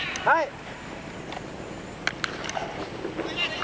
はい！